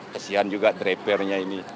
kesian juga drapernya ini